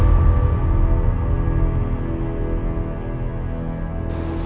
lo gak gratis kok tinggal disini